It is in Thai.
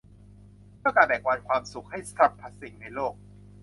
เพื่อการแบ่งปันความสุขให้สรรพสิ่งในโลก